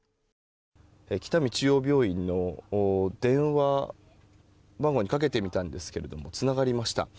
北見中央病院の電話番号にかけてみたんですけれどもつながりました。